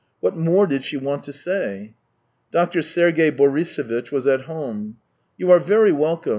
What more did she want to say ? Doctor Sergey Borisovitch was at home. " You are very welcome.